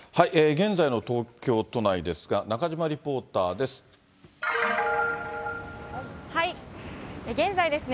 現在の東京都内ですが、中島リポーターです。